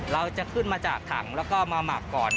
เราจะขึ้นมาจากถังแล้วก็มาหมักก่อน